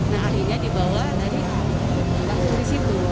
nah akhirnya dibawa dari situ